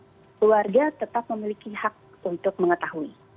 keluarga tetap memiliki hak untuk mengetahui